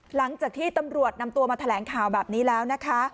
หลังจากที่ตำรวจนำตัวมาแถลงข่าวแบบนี้แล้วนะคะ